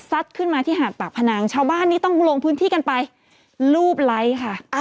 ขึ้นมาที่หาดปากพนังชาวบ้านนี้ต้องลงพื้นที่กันไปรูปไลค์ค่ะ